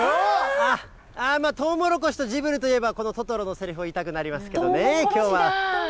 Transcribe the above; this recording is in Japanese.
とうもろこしとジブリといえば、このトトロのセリフを言いたくなりますけどね、きょうは。